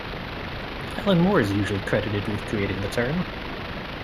Alan Moore is usually credited with creating the term.